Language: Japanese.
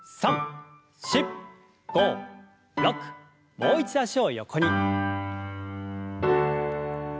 もう一度脚を横に。